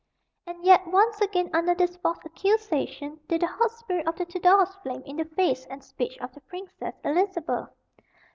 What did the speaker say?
And yet, once again, under this false accusation, did the hot spirit of the Tudors flame in the face and speech of the Princess Elizabeth.